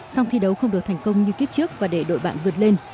song thi đấu không được thành công như kiếp trước và để đội bạn vượt lên